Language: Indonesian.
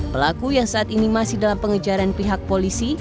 pelaku yang saat ini masih dalam pengejaran pihak polisi